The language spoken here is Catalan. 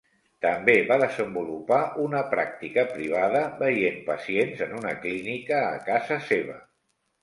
També va desenvolupar una pràctica privada, veient pacients en una clínica a casa seva.